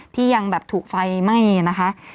ที่ยังถูกไฟไม่นะคะ